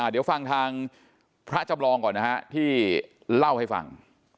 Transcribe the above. เดี๋ยวฟังทางพระจำลองก่อนนะฮะที่เล่าให้ฟัง